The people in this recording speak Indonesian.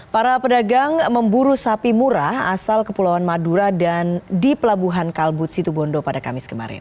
para pedagang memburu sapi murah asal kepulauan madura dan di pelabuhan kalbut situbondo pada kamis kemarin